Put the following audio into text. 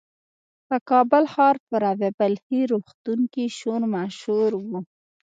د کابل ښار په رابعه بلخي روغتون کې شور ماشور و.